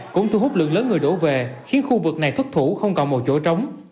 cũng thu hút lượng lớn người đổ về khiến khu vực này thất thủ không còn một chỗ trống